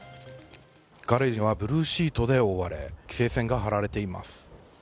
ガレージはブルーシートで覆われ、規制線が張られています。